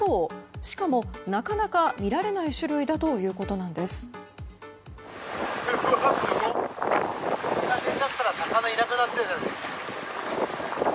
しかもなかなか見られない種類だということなんです。